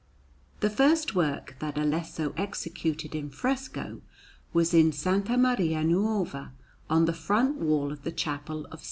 The first work that Alesso executed in fresco was in S. Maria Nuova, on the front wall of the Chapel of S.